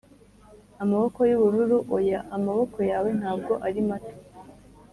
amaboko y'ubururu, oya, amaboko yawe ntabwo ari mato